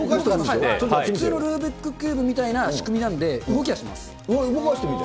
普通のルービックキューブみたいな仕組みなんで、動きはしま動かしてみて。